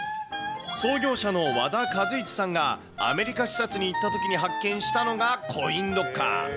創業者の和田和一さんがアメリカ視察に行ったときに発見したのがコインロッカー。